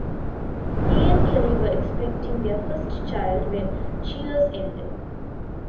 He and Kelly were expecting their first child when "Cheers" ended.